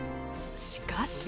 しかし。